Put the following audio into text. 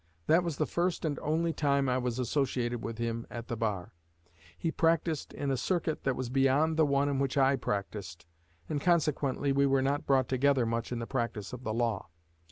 That was the first and only time I was associated with him at the bar. He practiced in a circuit that was beyond the one in which I practiced, and consequently we were not brought together much in the practice of the law.